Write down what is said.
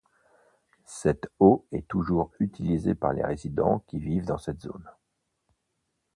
Cette eau est toujours utilisée par les résidents qui vivent dans cette zone.